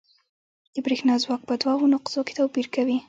د برېښنا ځواک په دوو نقطو کې توپیر کوي.